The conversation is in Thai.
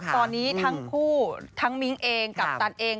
คือว่าตอนนี้ทั้งผู้ทั้งมิ๊งเองกับตันเอง